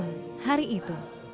yang terbentuk hari itu